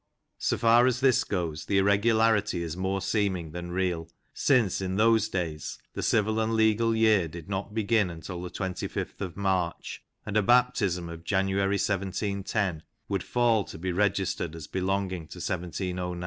So far as this goes, the irregularity is more seeming than real, since, in those days, the civil and legal year did not begin until the 25th of March, and a baptism of January 17 10 would fall to be registered as belong ing to 1 709.